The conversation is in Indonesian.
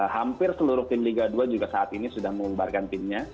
hampir seluruh tim liga dua juga saat ini sudah mengubarkan timnya